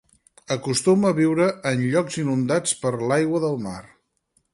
Acostuma a viure en llocs inundats per l'aigua del mar.